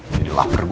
jadi laper gue